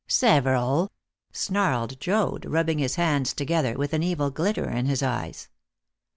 "Several!" snarled Joad, rubbing his hands together, with an evil glitter in his eyes.